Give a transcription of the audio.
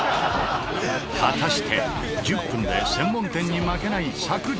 果たして１０分で専門店に負けないサクッ！